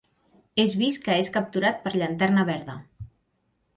És vist que és capturat per Llanterna Verda.